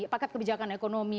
paket kebijakan ekonomi